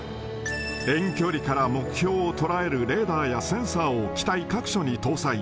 遠距離から目標を捉えるレーダーやセンサーを機体各所に搭載。